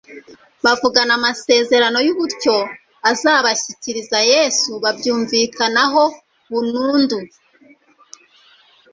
bavugurura amasezerano y'ubutyo azabashyikiriza Yesu babyumvikanaho bunundu